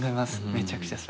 めちゃくちゃそれ。